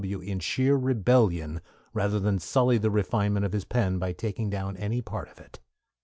W. in sheer rebellion, rather than sully the refinement of his pen by taking down any part of it.